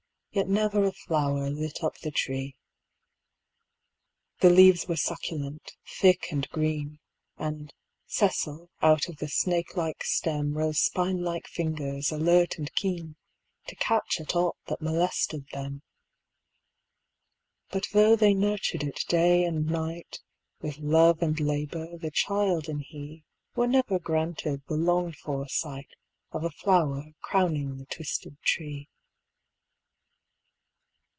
Yet never a flower lit up the tree. The leaves were succulent, thick, and green, And, sessile, out of the snakelike stem Rose spine like fingers, alert and keen, To catch at aught that molested them. But though they nurtured it day and night. With love and labour, the child and he Were never granted the longed for sight Of a flower crowning the twisted tree.